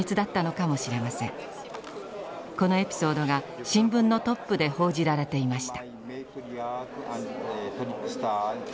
このエピソードが新聞のトップで報じられていました。